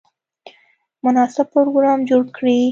مناسب پروګرام جوړ کړي.